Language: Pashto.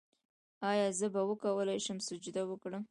ایا زه به وکولی شم سجده وکړم؟